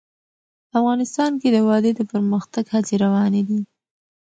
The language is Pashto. افغانستان کې د وادي د پرمختګ هڅې روانې دي.